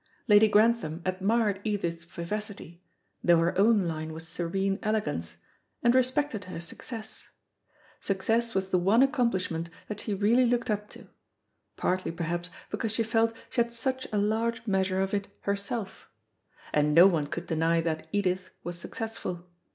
Lady Grantham admired Edith's vivacity, though her own line was serene elegance, and respected her success. Success was the one accomplishment that she really looked up to (partly, perhaps, because she felt she had such a large measure of it herself), and no one could deny that Edith was successful.